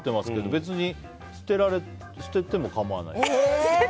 別に捨てても構わない。